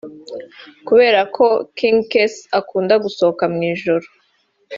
Kubera ko King Kc adakunda gusohoka mu ijoro